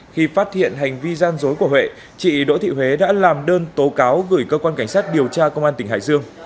khi phát hiện hành vi gian dối của huệ chị đỗ thị huế đã làm đơn tố cáo gửi cơ quan cảnh sát điều tra công an tỉnh hải dương